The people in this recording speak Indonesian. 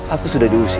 aku sudah diusir